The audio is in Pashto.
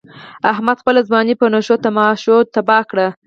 احمد خپله ځواني په نشو تماشو تباه کړ.